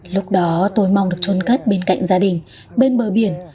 lúc đó tôi mong được trôn cất bên cạnh gia đình bên bờ biển